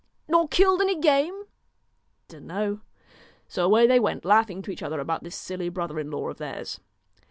' Nor killed any game ?'' Don't know.' So away they went, laughing to each other about this silly brother in law of theirs.